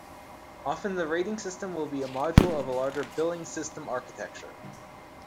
Often the rating system will be a module of a larger "Billing System" architecture.